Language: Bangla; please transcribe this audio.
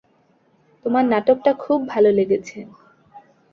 তোমার নাটকটা খুব ভালো লেগেছে।